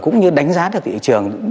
cũng như đánh giá được thị trường